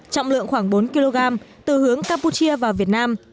trọng lượng khoảng bốn kg từ hướng campuchia vào việt nam